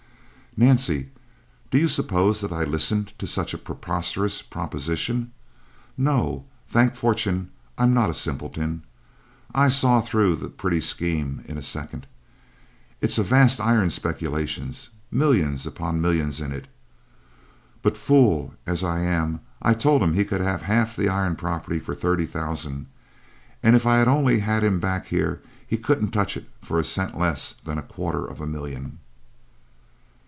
"Nancy, do you suppose I listened to such a preposterous proposition? No! Thank fortune I'm not a simpleton! I saw through the pretty scheme in a second. It's a vast iron speculation! millions upon millions in it! But fool as I am I told him he could have half the iron property for thirty thousand and if I only had him back here he couldn't touch it for a cent less than a quarter of a million!"